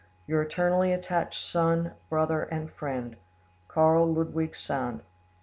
"Your eternally attached son, brother and friend, "KARL LUDWIG SAND.